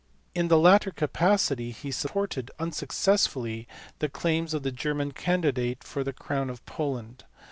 In the latter capacity he supported (unsuccessfully) the claims of the German candidate for the crown of Poland.